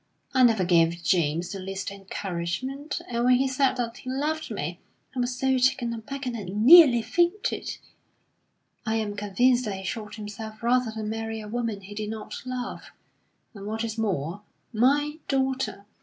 I never gave James the least encouragement, and when he said that he loved me, I was so taken aback that I nearly fainted. I am convinced that he shot himself rather than marry a woman he did not love, and what is more, my daughter.